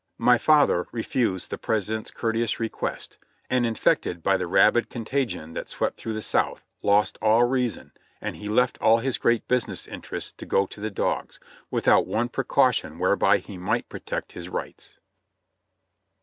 My father refused the Pres ident's courteous request, and infected by the rabid contagion that swept through the South, lost all reason, and he left all his great business interests to go to the dogs, without one precau tion whereby he might protect his rights.